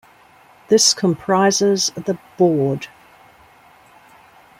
This comprises the "board".